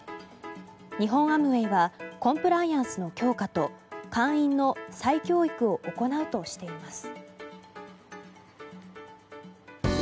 日本アムウェイはコンプライアンスの強化と会員の再教育を行うとしています。